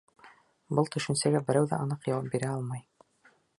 Был төшөнсәгә берәү ҙә аныҡ яуап бирә алмай.